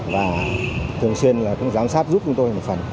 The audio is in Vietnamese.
và thường xuyên là cũng giám sát giúp chúng tôi một phần